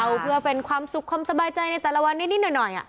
เอาเพื่อเป็นความสุขความสบายใจในแต่ละวันนิดหน่อย